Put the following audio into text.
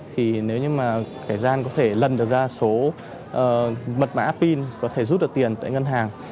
thì nếu như mà kẻ gian có thể lần được ra số mật mã pin có thể rút được tiền tại ngân hàng